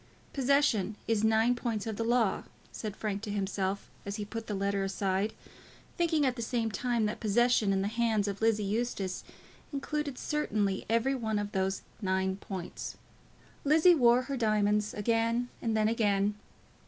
"Possession is nine points of the law," said Frank to himself, as he put the letter aside, thinking at the same time that possession in the hands of Lizzie Eustace included certainly every one of those nine points. Lizzie wore her diamonds again and then again.